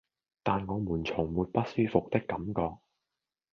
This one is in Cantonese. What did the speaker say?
但我們從沒不舒服的感覺